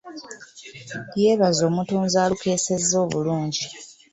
Yeebaza omutonzi alukeesezza obulungi.